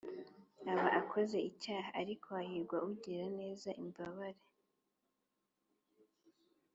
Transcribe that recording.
Aba akoze icyaha j ariko hahirwa ugirira neza imbabare